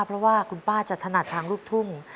เพราะว่าคุณป้าจะถนัดทางลูกทุ่ง